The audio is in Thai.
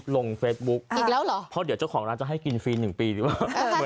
ลงเฟซบุ๊กอีกแล้วเหรอเพราะเดี๋ยวเจ้าของร้านจะให้กินฟรี๑ปีหรือเปล่า